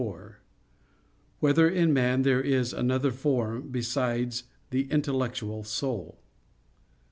4] Whether in Man There Is Another Form Besides the Intellectual Soul?